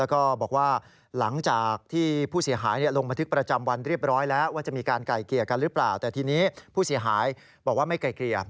ไกลเกลี่ยกันหรือเปล่าแต่ทีนี้ผู้เสียหายบอกว่าไม่ไกลเกลี่ย